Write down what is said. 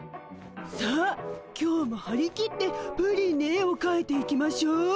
さあ今日もはり切ってプリンに絵をかいていきましょう。